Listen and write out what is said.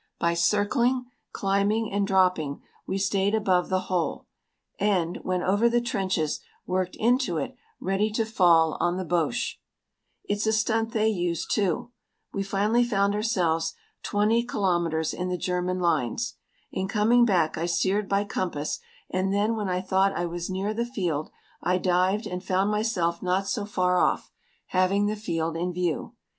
By circling, climbing, and dropping we stayed above the hole, and, when over the trenches, worked into it, ready to fall on the Boches. It's a stunt they use, too. We finally found ourselves 20 kilometres in the German lines. In coming back I steered by compass and then when I thought I was near the field I dived and found myself not so far off, having the field in view.